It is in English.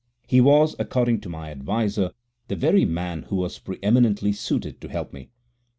He was, according to my adviser, the very man who was pre eminently suited to help me.